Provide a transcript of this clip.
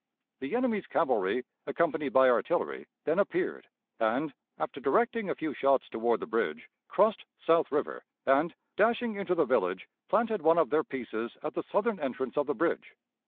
The enemy's cavalry, accompanied by artillery, then appeared, and, after directing a few shots toward the bridge, crossed South River, and, dashing into the village, planted one of their pieces at the southern entrance of the bridge.